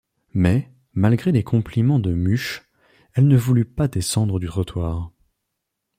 Mais, malgré les compliments de Muche, elle ne voulut pas descendre du trottoir.